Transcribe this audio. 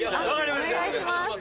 お願いします。